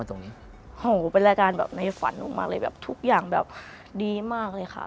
ทุกอย่างแบบดีมากเลยค่ะ